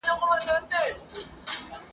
چي تر سترګو یې توییږي لپي ویني ..